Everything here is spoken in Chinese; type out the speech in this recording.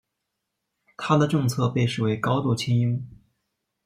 他的政策被视为高度亲英。